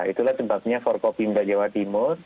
itulah sebabnya forkopimda jawa timur